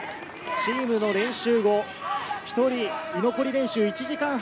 チームの練習後、１人居残り練習、１時間半。